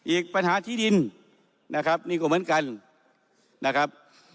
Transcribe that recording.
อีกปัญหาที่ดินนะครับนี่ก็เหมือนกันนะครับ